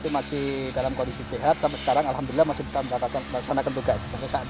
masih dalam kondisi sehat sampai sekarang alhamdulillah masih bisa melaksanakan tugas